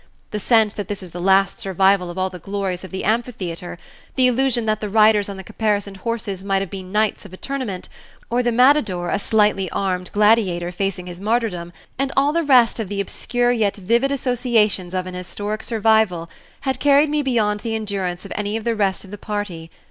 The sense that this was the last survival of all the glories of the amphitheater, the illusion that the riders on the caparisoned horses might have been knights of a tournament, or the matadore a slightly armed gladiator facing his martyrdom, and all the rest of the obscure yet vivid associations of an historic survival, had carried me beyond the endurance of any of the rest of the party.